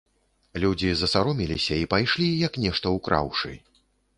Людзі засароміліся і пайшлі, як нешта ўкраўшы.